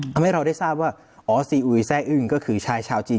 ทำให้เราได้ทราบว่าอ๋อซีอุยแซ่อึ้งก็คือชายชาวจีน